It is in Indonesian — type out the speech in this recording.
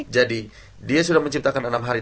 jadi dia sudah menciptakan enam hari